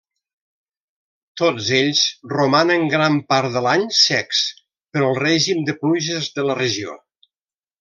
Tots ells romanen gran part de l'any secs pel règim de pluges de la regió.